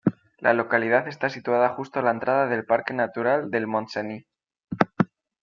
La localidad está situada justo a la entrada del parque natural del Montseny.